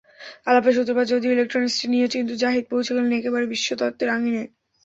আলাপের সূত্রপাত যদিও ইলেকট্রনিকস নিয়ে কিন্তু জাহিদ পৌঁছে গেলেন একেবারে বিশ্বতত্ত্বের আঙিনায়।